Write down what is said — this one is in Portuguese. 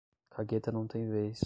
Cagueta não tem vez